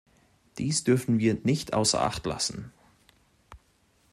Dies dürfen wir nicht außer Acht lassen.